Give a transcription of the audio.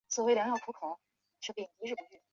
清朝嘉庆帝之嫔。